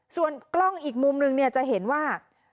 ส่วนกล้องอีกมุมหนึ่งจะเห็นว่า